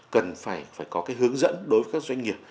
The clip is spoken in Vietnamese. cần phải có cái hướng dẫn đối với các doanh nghiệp